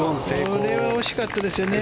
これ惜しかったですよね。